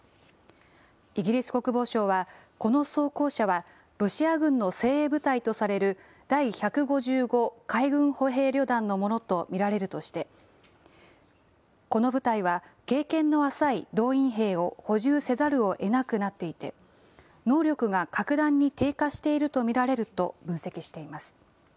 イギリス国防省は、この装甲車はロシア軍の精鋭部隊とされる第１５５海軍歩兵旅団のものと見られるとして、この部隊は経験の浅い動員兵を補充せざるをえなくなっていて、能力が格段に低下していると見られると分析しています。